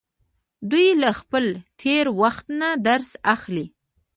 دوی له خپل تیره وخت نه درس اخلي.